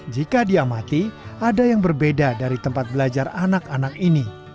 jika diamati ada yang berbeda dari tempat belajar anak anak ini